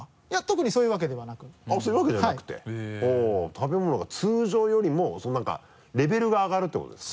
食べ物が通常よりも何かレベルが上がるってことですか？